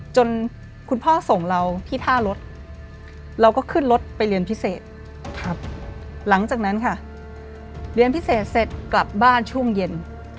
จนคุณพ่อส่งเราที่ท่ารถเราก็ขึ้นรถไปเรียนพิเศษหลังจากนั้นค่ะเรียนพิเศษเสร็จกลับบ้านช่วงเย็น